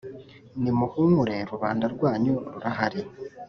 nimuhumure rubanda rwanyu ruahari